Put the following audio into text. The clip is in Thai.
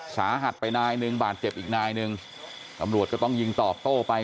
สาหัสไปนายหนึ่งบาดเจ็บอีกนายหนึ่งตำรวจก็ต้องยิงตอบโต้ไป